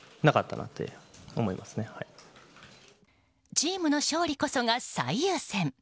チームの勝利こそが最優先。